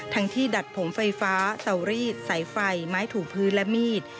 ที่ดัดผมไฟฟ้าเสารีดสายไฟไม้ถูกพื้นและมีด